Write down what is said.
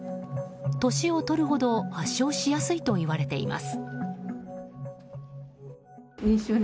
年を取るほど発症しやすいといわれています。